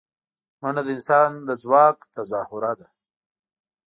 منډه د انسان د ځواک تظاهره ده